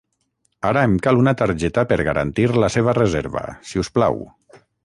Ara em cal una targeta per garantir la seva reserva, si us plau.